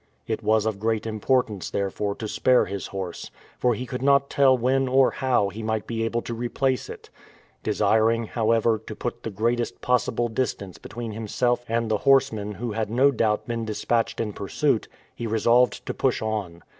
It was of great importance, therefore, to spare his horse, for he could not tell when or how he might be able to replace it. Desiring, however, to put the greatest possible distance between himself and the horsemen who had no doubt been dispatched in pursuit, he resolved to push on.